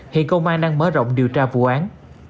hiện công an đang mở rộng điều tra vụ án